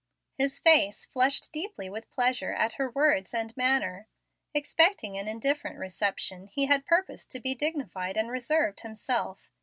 His face flushed deeply with pleasure at her words and manner. Expecting an indifferent reception, he had purposed to be dignified and reserved himself.